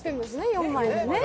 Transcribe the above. ４枚でね。